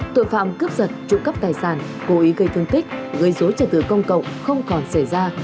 tội phạm cướp giật trụ cấp tài sản cố ý gây thương tích gây dối trật tự công cộng không còn xảy ra